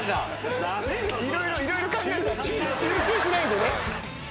集中しないとね。